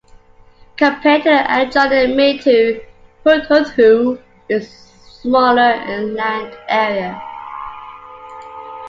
Compared to the adjoining Meedhoo, Hulhudhoo is smaller in land area.